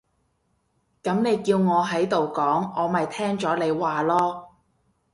噉你叫我喺度講，我咪聽咗你話囉